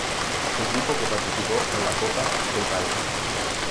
Equipo que participó en la Copa El País.